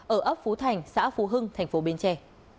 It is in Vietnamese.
ở ấp phú thành xã phú hưng thành phố bến tre